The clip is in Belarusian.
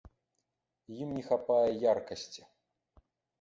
Ім не хапае яркасці.